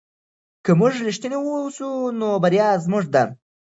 که موږ رښتیني اوسو نو بریا زموږ ده.